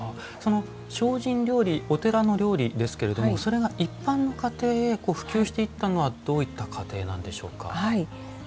その精進料理お寺の料理ですけれどもそれが一般の家庭へ普及していったのはどういった過程なんでしょうか？